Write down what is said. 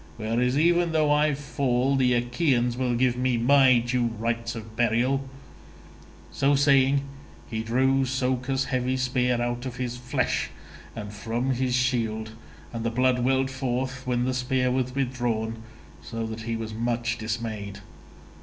Whereas even though I fall the Achaeans will give me my due rites of burial." So saying he drew Socus's heavy spear out of his flesh and from his shield, and the blood welled forth when the spear was withdrawn so that he was much dismayed.